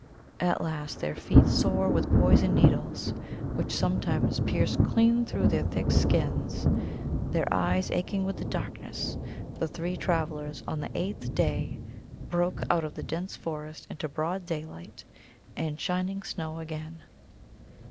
At last, their feet sore with poison needles, which sometimes pierced clean through their thick skins, their eyes aching with the darkness, the three travellers, on the eighth day, broke out of the dense forest into broad daylight and shining snow again.